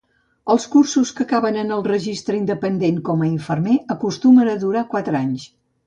Els cursos que acaben en el registre independent com a infermer acostumen a durar quatre anys.